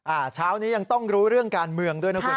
เช้านี้ยังต้องรู้เรื่องการเมืองด้วยนะคุณ